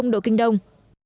độ kinh đông